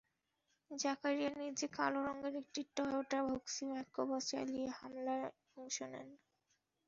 জাকারিয়া নিজে কালো রঙের একটি টয়োটা ভক্সি মাইক্রোবাস চালিয়ে হামলায় অংশ নেন।